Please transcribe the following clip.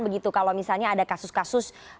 begitu kalau misalnya ada kasus kasus